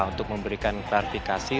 untuk memberikan klarifikasi